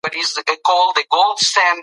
بامیان د افغان ځوانانو لپاره دلچسپي لري.